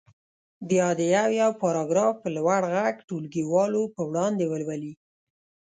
بیا دې یو یو پاراګراف په لوړ غږ ټولګیوالو په وړاندې ولولي.